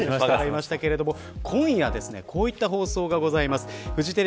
今夜こういった放送がございます。